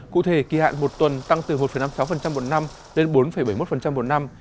cụ thể kỳ hạn một tuần tăng từ một năm mươi sáu một năm lên bốn bảy mươi một một năm